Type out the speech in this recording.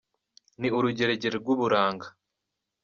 Ni urugeregere rw’uburanga